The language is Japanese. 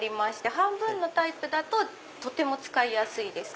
半分のタイプだととても使いやすいです。